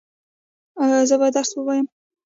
ایا زه باید درس ووایم؟